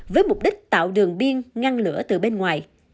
với mục đích tạo đường biên ngăn lửa từ bên ngoài